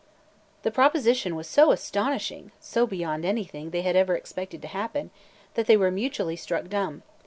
The proposition was so astonishing, so beyond anything they had ever expected to happen, that they were mutually struck dumb.